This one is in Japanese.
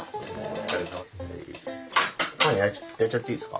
パン焼いちゃっていいですか。